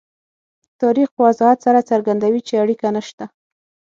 تاریخ په وضاحت سره څرګندوي چې اړیکه نشته.